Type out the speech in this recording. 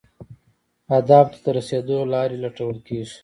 اهدافو ته د رسیدو لارې لټول کیږي.